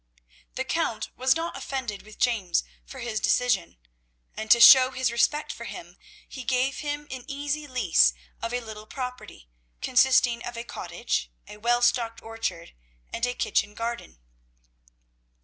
The Count was not offended with James for his decision; and to show his respect for him he gave him an easy lease of a little property, consisting of a cottage, a well stocked orchard, and a kitchen garden.